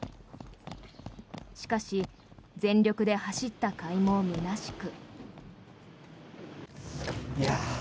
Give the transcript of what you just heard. しかし全力で走ったかいも空しく。